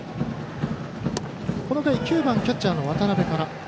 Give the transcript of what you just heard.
この回、９番キャッチャーの渡辺から。